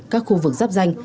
các khu vực giáp danh